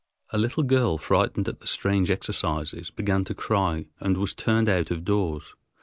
A little girl, frightened at the strange exercises, began to cry and was turned out of doors.